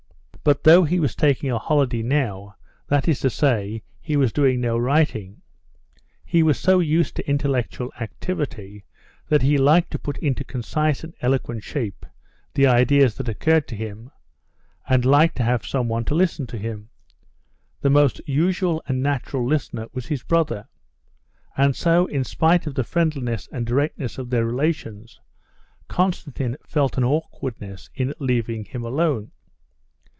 But though he was taking a holiday now, that is to say, he was doing no writing, he was so used to intellectual activity that he liked to put into concise and eloquent shape the ideas that occurred to him, and liked to have someone to listen to him. His most usual and natural listener was his brother. And so in spite of the friendliness and directness of their relations, Konstantin felt an awkwardness in leaving him alone.